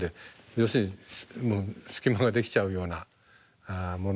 要するに隙間ができちゃうようなものになって。